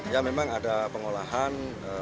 ya memang ada pengolahan